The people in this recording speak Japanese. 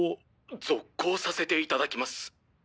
続行させていただきます。